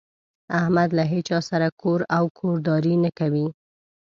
احمد له هيچا سره کور او کورداري نه کوي.